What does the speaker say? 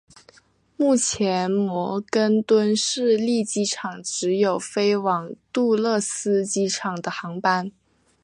目前摩根敦市立机场只有飞往杜勒斯机场的航班。